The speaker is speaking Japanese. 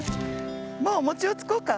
もうおもちをつこうか？